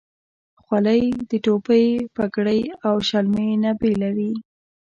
خولۍ د ټوپۍ، پګړۍ، او شملې نه بیله وي.